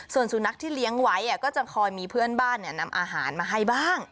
ส่วนสุนัขที่เลี้ยงไว้ก็จะคอยมีเพื่อนบ้านนำอาหารมาให้บ้าง